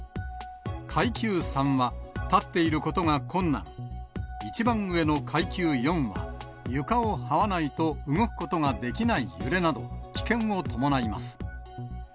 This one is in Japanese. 階級３は、立っていることが困難、一番上の階級４は、床をはわないと動くことができない揺れなど、危険を伴います。